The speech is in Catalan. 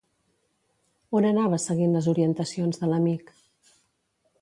On anava seguint les orientacions de l'amic?